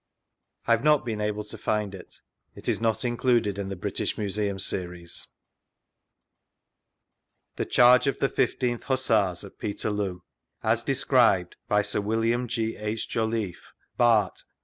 I have not been able to find it. It is not included in the British Museum Series. vGoogIc The Charge of the isth Hussars at Peterloo Bi dittriittt iy Sir WILLIAM G. H. JOLLIFFE, Bart.